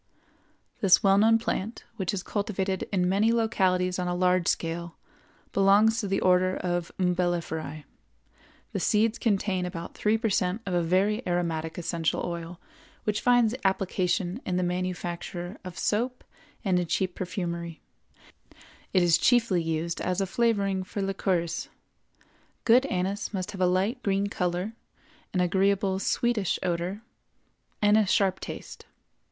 This well known plant, which is cultivated in many localities on a large scale, belongs to the Order of Umbelliferæ. The seeds contain about three per cent of a very aromatic essential oil which finds application in the manufacture of soap and in cheap perfumery; it is chiefly used as a flavoring for liqueurs. Good anise must have a light green color, an agreeable sweetish odor, and a sharp taste.